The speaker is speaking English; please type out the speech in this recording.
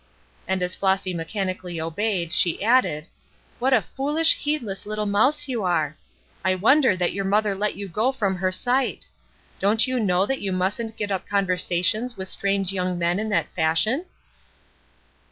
And as Flossy mechanically obeyed, she added: "What a foolish, heedless little mouse you are! I wonder that your mother let you go from her sight. Don't you know that you mustn't get up conversations with strange young men in that fashion?"